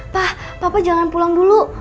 tah papa jangan pulang dulu